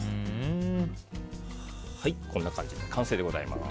こんな感じで完成でございます。